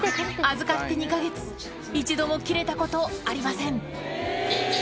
預かって２か月一度も切れたことありません